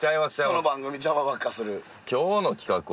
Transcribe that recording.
人の番組邪魔ばっかする。